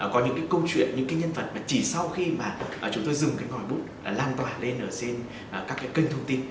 có những câu chuyện những nhân vật mà chỉ sau khi chúng tôi dùng ngòi bút lan tỏa lên trên các kênh thông tin